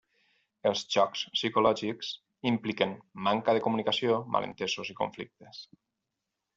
Els jocs psicològics impliquen manca de comunicació, malentesos i conflictes.